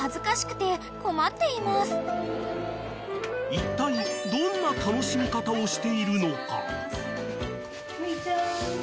［いったいどんな楽しみ方をしているのか？］